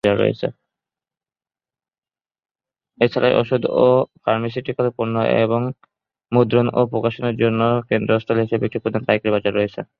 এছাড়াও ওষুধ এবং ফার্মাসিউটিক্যাল পণ্য এবং মুদ্রণ ও প্রকাশনার জন্য কেন্দ্রস্থল হিসেবে একটি প্রধান পাইকারি বাজার রয়েছে।